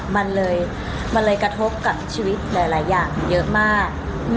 มันเลยมันเลยกระทบกับชีวิตหลายอย่างเยอะมาก